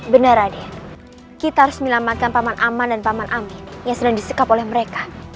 benar raden kita harus melamatkan paman aman dan paman amin yang sedang disekap oleh mereka